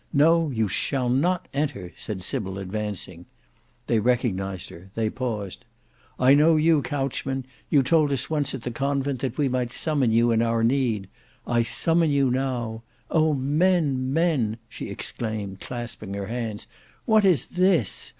No, you shall not enter," said Sybil advancing. They recognised her, they paused. "I know you, Couchman; you told us once at the Convent that we might summon you in our need. I summon you now. O, men, men!" she exclaimed, clasping her hands. "What is this?